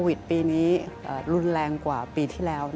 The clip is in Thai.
ปีนี้รุนแรงกว่าปีที่แล้ว